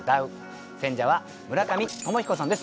選者は村上鞆彦さんです。